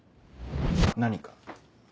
何か？